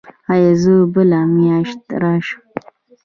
ایا زه بله میاشت راشم؟